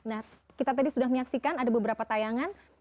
nah kita tadi sudah menyaksikan ada beberapa tayangan